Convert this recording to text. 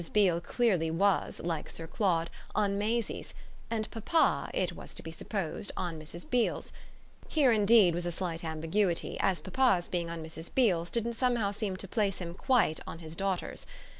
Beale clearly was, like Sir Claude, on Maisie's, and papa, it was to be supposed, on Mrs. Beale's. Here indeed was a slight ambiguity, as papa's being on Mrs. Beale's didn't somehow seem to place him quite on his daughter's.